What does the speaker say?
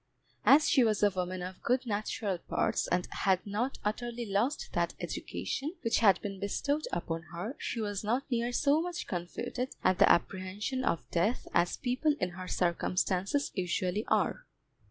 As she was a woman of good natural parts, and had not utterly lost that education which had been bestowed upon her, she was not near so much confuted at the apprehensions of death as people in her circumstances usually are.